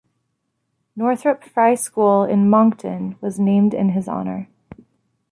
Northrop Frye School in Moncton was named in his honour.